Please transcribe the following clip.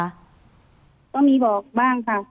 ก็มีบอกบ้างค่ะ